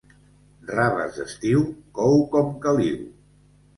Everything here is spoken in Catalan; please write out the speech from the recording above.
Raves d'estiu cou com caliu.